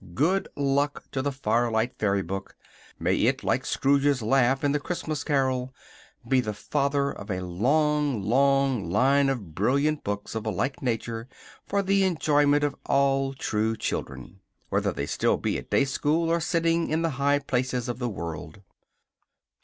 Good luck to the "Firelight Fairy Book." May it, like Scrooge's laugh in the "Christmas Carol," "be the father of a long, long line of brilliant" books of a like nature for the enjoyment of all true children, whether they be still at day school, or sitting in the high places of the world.